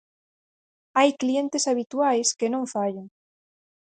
Hai clientes habituais que non fallan.